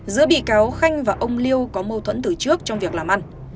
giữa bị cáo khanh và ông liêu có mâu thuẫn từ trước trong việc làm ăn